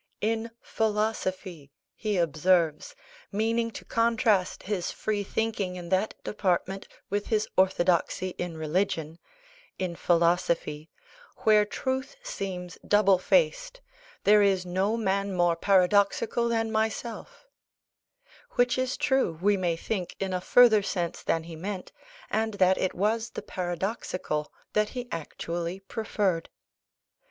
"In philosophy," he observes, meaning to contrast his free thinking in that department with his orthodoxy in religion in philosophy, "where truth seems double faced, there is no man more paradoxical than myself:" which is true, we may think, in a further sense than he meant, and that it was the "paradoxical" that he actually preferred.